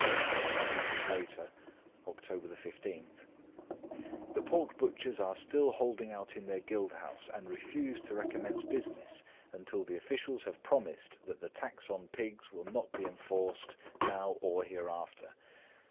Two days later, October 15:— "The pork butchers are still holding out in their guild house, and refuse to recommence business until the officials have promised that the tax on pigs will not be enforced now or hereafter.